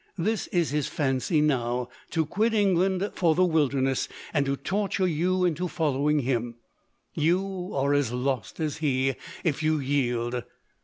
This is his fancy now — to quit England for the wilderness, and to torture you into follow ing him. You are as lost as he, if you yield.